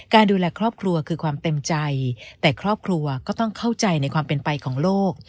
ดูแลครอบครัวคือความเต็มใจแต่ครอบครัวก็ต้องเข้าใจในความเป็นไปของโลก